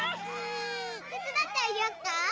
てつだってあげよっか？